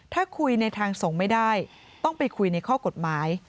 ถ้าคุยในทางส่งไม่ได้ต้องไปคุยในข้อกฎหมาย